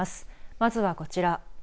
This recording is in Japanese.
まずはこちら。